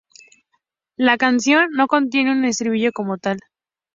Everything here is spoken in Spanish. La canción no contiene un estribillo como tal.